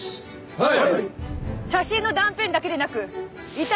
はい！